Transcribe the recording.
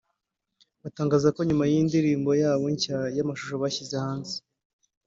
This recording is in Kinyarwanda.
batangaza ko nyuma y’iyi ndirimbo yabo nshya y’amashusho bashyize hanze